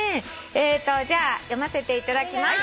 じゃあ読ませていただきます。